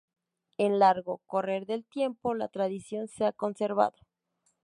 En largo correr del tiempo, la tradición se ha conservado.